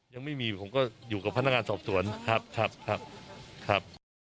ยังไม่มีผมก็อยู่กับพนักงานสอบสวนครับครับ